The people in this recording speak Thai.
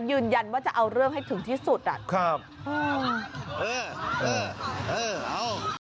ยืนยันว่าจะเอาเรื่องให้ถึงที่สุดอ่ะครับอืมเออเออเออเอา